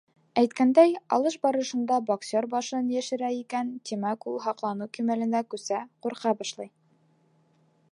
Әйткәндәй, алыш барышында боксер башын йәшерә икән, тимәк, ул һаҡланыу кимәленә күсә, ҡурҡа башлай.